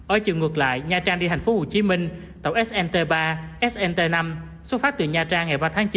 ở trường ngược lại nha trang đi thành phố hồ chí minh tàu snt ba snt năm xuất phát từ nha trang